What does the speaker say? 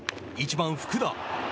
１番福田。